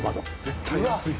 絶対熱い。